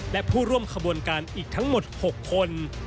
และผู้ร่วมขบวนการอีกทั้งหมด๖คน